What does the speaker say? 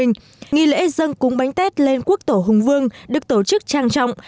nghị lễ dâng cúng bánh tết lên quốc tổ hùng vương được tổ chức trang trọng